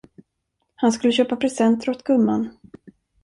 Han skulle köpa presenter åt gumman.